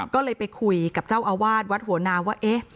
ก็เลยไปคุยกับเจ้าอาวาสวัดหัวนาว่าเอ๊ะ